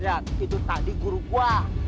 itu tadi guru gua